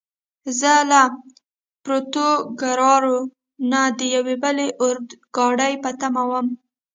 زه له پورتوګرارو نه د یوې بلې اورګاډي په تمه ووم.